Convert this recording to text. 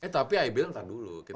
tapi ibl ntar dulu